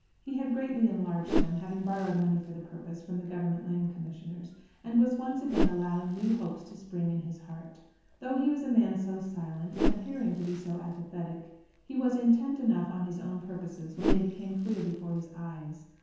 He had greatly enlarged them, having borrowed money for the purpose from the Government Land Commissioners, and was once again allowing new hopes to spring in his heart. Though he was a man so silent, and appearing to be so apathetic, he was intent enough on his own purposes when they became clear before his eyes.